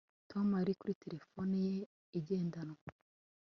Tom ari kuri terefone ye igendanwa